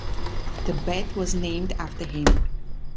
the Bet was named after him.